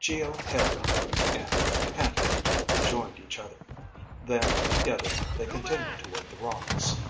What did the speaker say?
Geo hailed him, and panting, they joined each other. Then, together they continued toward the rocks.